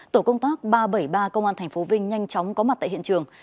tổ công tác ba trăm bảy mươi ba công an tp vinh nhanh chóng có mặt tại hiện trường